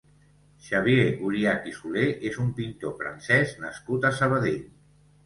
Xavier Oriach i Soler és un pintor francès nascut a Sabadell.